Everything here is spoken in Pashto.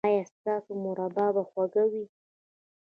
ایا ستاسو مربا به خوږه وي؟